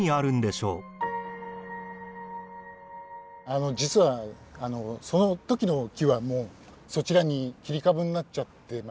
あの実はその時の木はもうそちらに切り株になっちゃってまして。